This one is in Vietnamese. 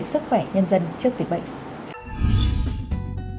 sức khỏe nhân dân trước dịch bệnh